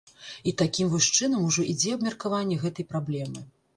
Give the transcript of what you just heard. І такім вось чынам ужо ідзе абмеркаванне гэтай праблемы.